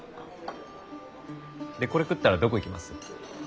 でこれ食ったらどこ行きます？